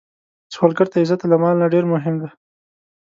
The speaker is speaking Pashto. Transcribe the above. سوالګر ته عزت له مال نه ډېر مهم دی